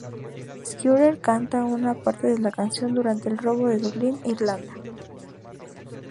Scooter canta un parte de la canción durante el robo en Dublín, Irlanda.